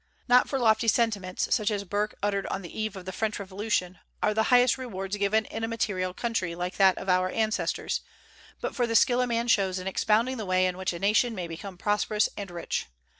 Not for lofty sentiments, such as Burke uttered on the eve of the French Revolution, are the highest rewards given in a material country like that of our ancestors, but for the skill a man shows in expounding the way in which a nation may become prosperous and rich.